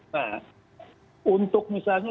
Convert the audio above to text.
nah untuk misalnya